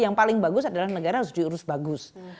yang paling bagus adalah negara harus diurus bagus